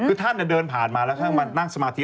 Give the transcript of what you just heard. คือท่านเดินผ่านมาแล้วท่านมานั่งสมาธิ